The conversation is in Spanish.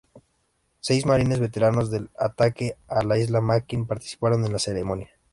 Seis marines veteranos del ataque a la isla Makin participaron en la ceremonia.